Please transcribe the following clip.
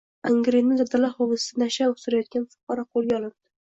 Angrenda dala hovlisida “nasha” oʻstirayotgan fuqaro qoʻlga olindi.